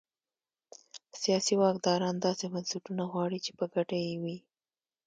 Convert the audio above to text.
سیاسي واکداران داسې بنسټونه غواړي چې په ګټه یې وي.